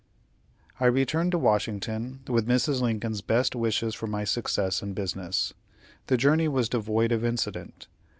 I returned to Washington, with Mrs. Lincoln's best wishes for my success in business. The journey was devoid of incident.